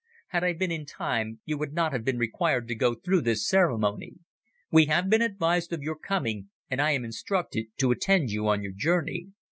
Had I been in time you would not have been required to go through this ceremony. We have been advised of your coming, and I am instructed to attend you on your journey.